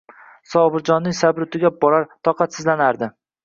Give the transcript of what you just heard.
Sobirjonning sabri tugab borar, toqatsizlanardi.